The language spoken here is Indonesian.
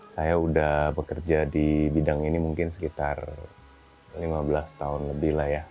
saya sudah bekerja di bidang ini mungkin sekitar lima belas tahun lebih lah ya